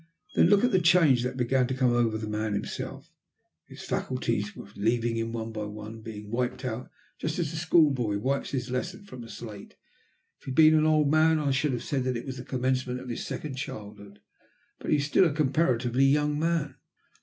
Then look at the change that began to come over the man himself. His faculties were leaving him one by one, being wiped out, just as a school boy wipes his lesson from a slate. If he had been an old man I should have said that it was the commencement of his second childhood; but he is still a comparatively young man."